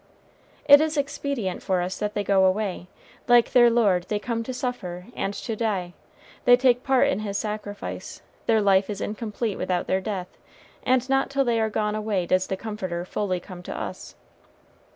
It is expedient for us that they go away. Like their Lord, they come to suffer, and to die; they take part in his sacrifice; their life is incomplete without their death, and not till they are gone away does the Comforter fully come to us.